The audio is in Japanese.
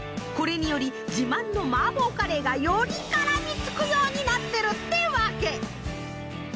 これにより自慢の麻婆カレーがより絡みつくようになってるってわけ。